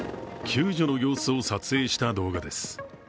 救助の様子を撮影した動画です。